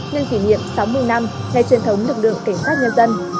nhân kỷ niệm sáu mươi năm ngày truyền thống lực lượng cảnh sát nhân dân